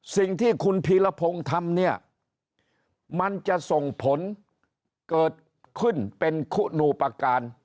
สิ่งที่คุณพีรพงศ์ทำเนี่ยมันจะส่งผลเกิดขึ้นเป็นคุณูประการ